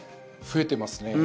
増えてますね。